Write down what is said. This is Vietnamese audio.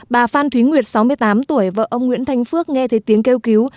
bà phan thúy nguyệt sáu mươi tám tuổi vợ ông nguyễn thanh phước nghe thấy tiếng kêu cứu